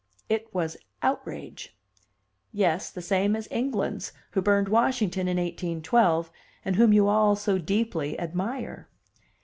"It was outrage." "Yes, the same kind as England's, who burned Washington in 1812, and whom you all so deeply admire."